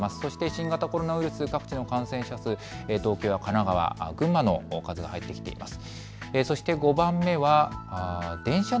新型コロナウイルスの感染者数、東京や神奈川、群馬の話題が入ってきています。